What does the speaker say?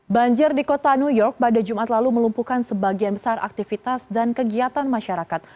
banjir di kota new york pada jumat lalu melumpuhkan sebagian besar aktivitas dan kegiatan masyarakat